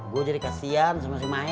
gue jadi kasihan sama si mahe